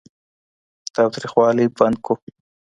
تاوتريخوالی بند کړو.